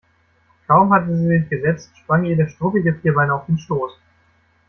Kaum hatte sie sich gesetzt, sprang ihr der struppige Vierbeiner auf den Schoß.